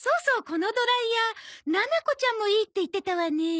このドライヤーななこちゃんもいいって言ってたわねえ。